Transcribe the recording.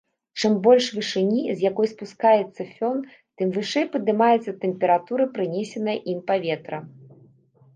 Чым больш вышыні, з якой спускаецца фён, тым вышэй падымаецца тэмпература прынесеныя ім паветра.